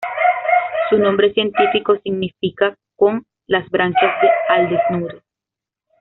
Su nombre científico significa "con las branquias al desnudo".